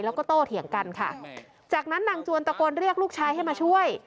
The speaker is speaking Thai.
แล้วก็โตเถียงกันค่ะจากนั้นนางจวนตะโกนเรียกลูกชายให้มาช่วย